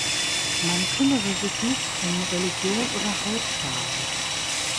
Man kümmere sich nicht um Religion oder Hautfarbe.